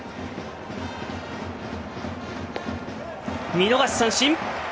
見逃し三振。